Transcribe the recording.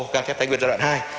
căng thép thái nguyên giai đoạn hai